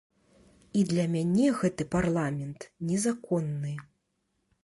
І для мяне гэты парламент незаконны.